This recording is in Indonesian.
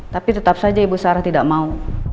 tapi tetap saja ibu sarah tidak mau